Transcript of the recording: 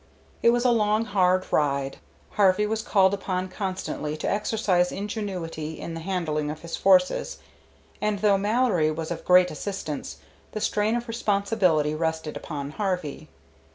It was a long, hard ride. Harvey was called upon constantly to exercise ingenuity in the handling of his forces, and though Mallory was of great assistance, the strain of responsibility rested upon Harvey.